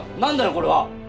これは。